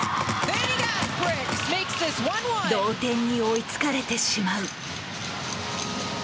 同点に追いつかれてしまう。